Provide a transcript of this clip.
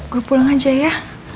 gue pulang aja ya